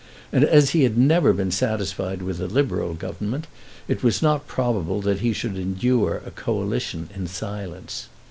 And as he had never been satisfied with a Liberal Government, it was not probable that he should endure a Coalition in silence.